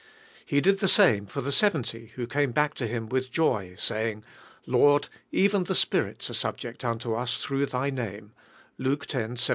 He did the same for the seventy who came back to Him with joy, saying, "Lord, even the spirits are subject unto us through Thy name" (Luke x 17).